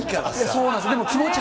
そうなんです。